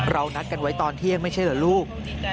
นัดกันไว้ตอนเที่ยงไม่ใช่เหรอลูก